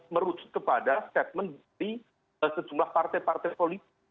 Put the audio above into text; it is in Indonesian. merujuk kepada statement dari sejumlah partai partai politik